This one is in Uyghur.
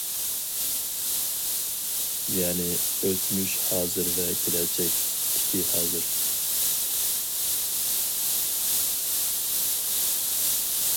يەنى، «ئۆتمۈش، ھازىر ۋە كېلەچەك» تىكى ھازىر.